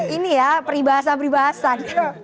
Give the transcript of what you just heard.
ini ya peribahasa peribahasan